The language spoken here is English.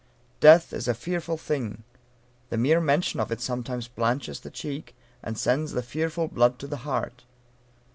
Death is a fearful thing. The mere mention of it sometimes blanches the cheek, and sends the fearful blood to the heart.